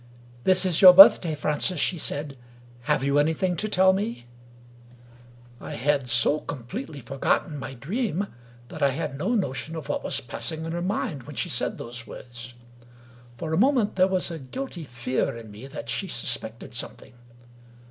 " This is your birthday, Francis," she said. " Have you anything to tell me ?" I had so completely forgotten my Dream, that I had no notion of what was passing in her mind when she said those words. For a moment there was a guilty fear in me that she suspected something.